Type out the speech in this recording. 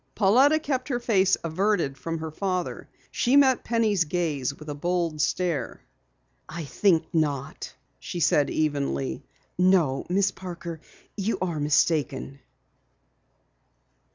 Pauletta kept her face averted from her father. She met Penny's gaze with a bold stare. "I think not," she said evenly. "No, Miss Parker, you are mistaken."